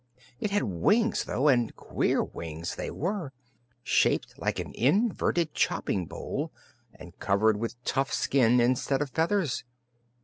It had wings, though, and queer wings they were: shaped like an inverted chopping bowl and covered with tough skin instead of feathers.